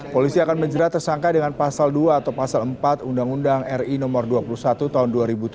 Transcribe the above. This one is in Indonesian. polisi akan menjerat tersangka dengan pasal dua atau pasal empat undang undang ri no dua puluh satu tahun dua ribu tujuh